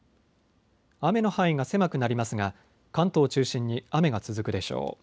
雨の範囲が狭くなりますが関東を中心に雨が続くでしょう。